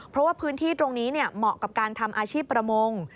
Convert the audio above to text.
เพราะว่าพื้นที่ตรงนี้เหมาะกับการทำอาชีพประมง